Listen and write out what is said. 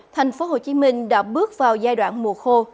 thành phố hồ chí minh đã bước vào giai đoạn mùa khô